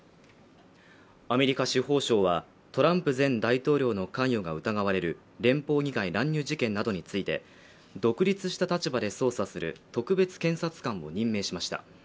アメリカ司法省はトランプ前大統領の関与が疑われる連邦議会乱入事件などについて独立した立場で捜査する特別検察官を任命しました